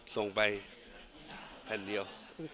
ส่งไปแผ่นเดียว